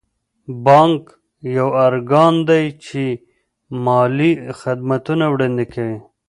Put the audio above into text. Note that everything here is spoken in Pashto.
بانک یو ارګان دی چې مالي خدمتونه وړاندې کوي.